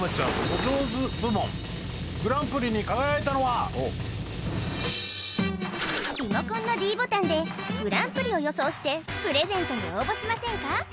お上手部門グランプリに輝いたのはリモコンのｄボタンでグランプリを予想してプレゼントに応募しませんか？